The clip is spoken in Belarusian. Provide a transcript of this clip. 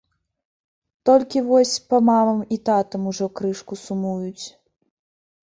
Толькі вось па мамам і татам ужо крышку сумуюць.